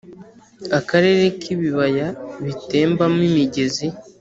akarere k’ibibaya bitembamo imigezi. “